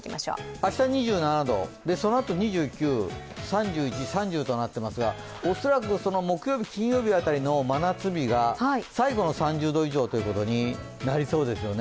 明日２７度、そのあと２９度、３１、３０となっていますが、恐らく木曜日、金曜日辺りの真夏日が最後の３０度以上ということになりそうですよね。